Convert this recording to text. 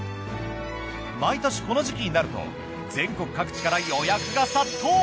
毎年この時期になると全国各地から予約が殺到！